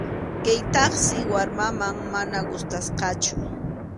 Kaytaqsi warmaman mana gustasqachu.